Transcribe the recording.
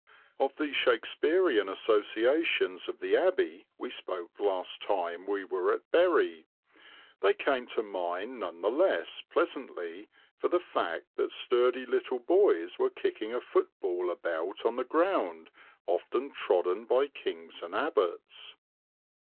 Of the Shakesperian associations of the Abbey we spoke last time we were at Bury; they came to mind none the less pleasantly for the fact that sturdy little boys were kicking a football about on the ground often trodden by kings and abbots.